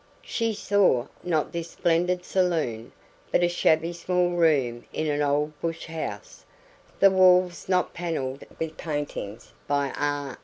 She saw, not this splendid saloon, but a shabby small room in an old bush house the walls not panelled with paintings by R.